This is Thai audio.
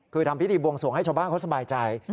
คือทำพิธีบวงสวงให้ชาวบ้านเขาสบายใจ